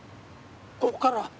ここから。